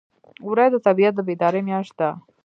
وری د طبیعت د بیدارۍ میاشت ده.